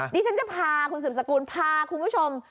ดิฉันจะพาคุณสืบสกุลพาคุณผู้ชม